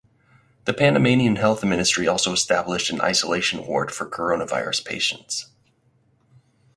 The Panamanian health ministry also established an isolation ward for coronavirus patients.